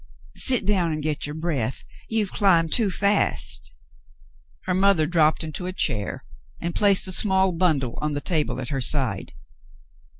Sit down and get your breath. You have climbed too fast." Her mother dropped into a chair and placed a small bundle on the table at her side.